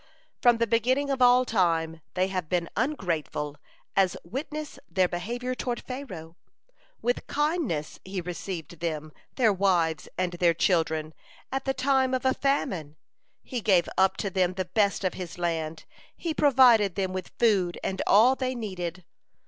From the beginning of all time they have been ungrateful, as witness their behavior toward Pharaoh. With kindness he received them, their wives, and their children, at the time of a famine. He gave up to them the best of his land. He provided them with food and all they needed.